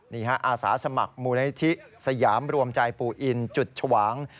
อาสาสมัครมูลนิธิสยามรวมใจปู่อินจุดชวาง